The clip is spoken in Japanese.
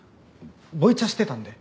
ボイチャしてたんで。